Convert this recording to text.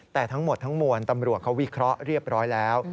แต่ทั้งหมดทั้งมวลตำรวจเขาวิเคราะห์เรียบร้อยแล้ว